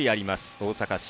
大阪市。